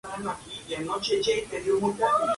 Es sedentaria.